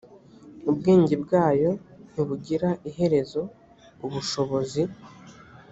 ubwenge bwayo ntibugira iherezo ubushobozi